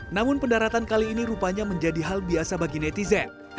namun pendaratan kali ini rupanya menjadi hal biasa bagi netizen